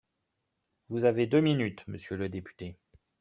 Vous avez deux minutes, monsieur le député.